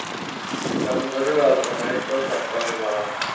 রংধনুর আল্পনায় তো সাত রঙের বাহার।